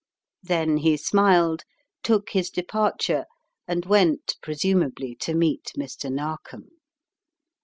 Then he smiled, took his departure, and went pre sumably to meet Mr. Narkom.